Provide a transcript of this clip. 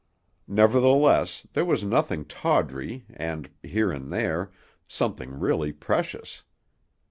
Nevertheless, there was nothing tawdry and, here and there, something really precious.